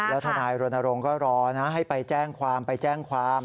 แล้วทนายรณรงค์ก็รอนะให้ไปแจ้งความไปแจ้งความ